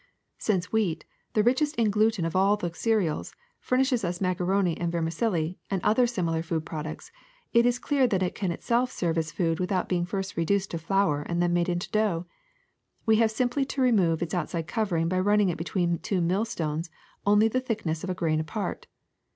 ^^ Since wheat, the richest in gluten of all the cereals, furnishes us macaroni and vermicelli and other similar food products, it is clear that it can itself serve as food without being first reduced to flour and then made into dough. We have simply to remove its outside covering by running it between two millstones only the thickness of a grain apart.